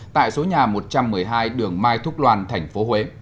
tại số nhà một trăm một mươi hai đường mai thúc loan thành phố huế